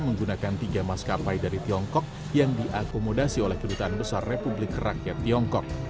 menggunakan tiga maskapai dari tiongkok yang diakomodasi oleh kedutaan besar republik rakyat tiongkok